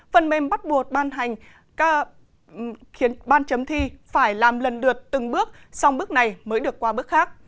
phần mềm bắt buộc ban chấm thi phải làm lần được từng bước xong bước này mới được qua bước khác